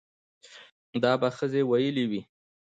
دا به ښځې ويلې وي